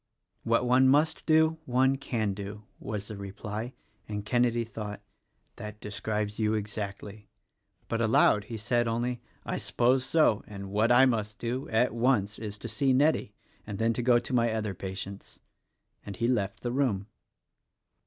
"What one must do, one can do," was the reply; and Kenedy thought, "That describes you — exactly;" but aloud he said only, "I suppose so! and what I must do, at once, is to see Nettie, and then go to my other patients;" and he left the room.